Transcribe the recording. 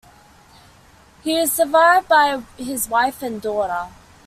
He is survived by his wife and daughter.